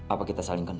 apa kita saling kenal